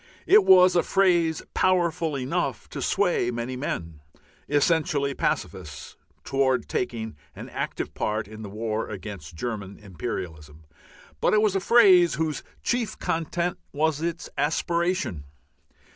It was a phrase powerful enough to sway many men, essentially pacifists, towards taking an active part in the war against German imperialism, but it was a phrase whose chief content was its aspiration.